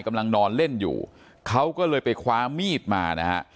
กำลังนอนเล่นอยู่เขาก็เลยไปคว้ามีดมานะฮะ